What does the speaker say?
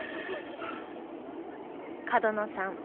角野さん